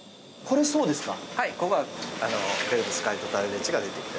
これそうですか？